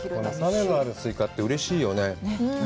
種のあるスイカってうれしいよね。